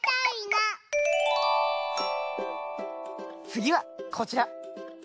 つぎはこちら！